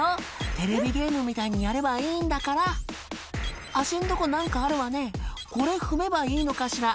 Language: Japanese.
「テレビゲームみたいにやればいいんだから」「足んとこ何かあるわねこれ踏めばいいのかしら？」